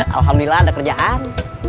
alhamdulillah ada kerjaan